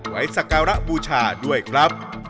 ไว้สักการะบูชาด้วยครับ